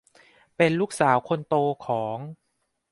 เป็นลูกสาวคนโตของ